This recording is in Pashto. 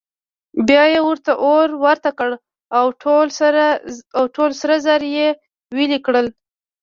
بیا یې ورته اور ورته کړ او ټول سره زر یې ویلې کړل.